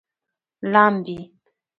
لامبي